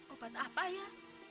obat apa ya